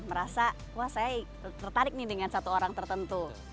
merasa wah saya tertarik nih dengan satu orang tertentu